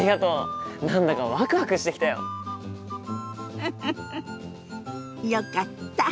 フフフよかった。